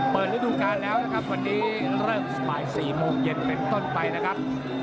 ฤดูการแล้วนะครับวันนี้เริ่มสมัย๔โมงเย็นเป็นต้นไปนะครับ